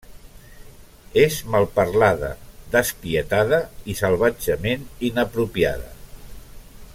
És malparlada, despietada i salvatgement inapropiada.